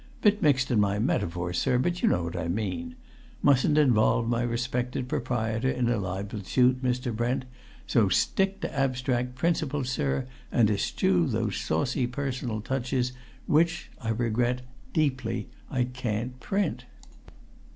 Bit mixed in my metaphors, sir, but you know what I mean. Mustn't involve my respected proprietor in a libel suit, Mr. Brent, so stick to abstract principles, sir, and eschew those saucy personal touches which I regret deeply I can't print."